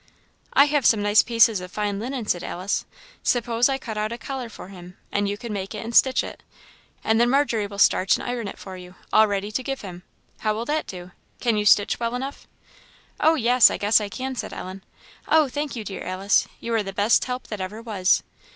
"I have some nice pieces of fine linen," said Alice; "suppose I cut out a collar for him, and you can make it and stitch it, and then Margery will starch and iron it for you, all ready to give to him. How will that do? Can you stitch well enough?" "Oh, yes, I guess I can," said Ellen. "Oh, thank you, dear Alice! you are the best help that ever was.